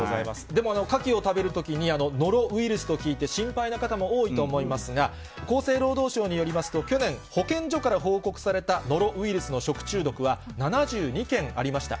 でもカキを食べるときに、ノロウイルスと聞いて心配な方も多いと思いますが、厚生労働省によりますと、去年、保健所から報告されたノロウイルスの食中毒は７２件ありました。